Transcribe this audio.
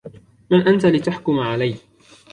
مَن أنت لتحكم علي؟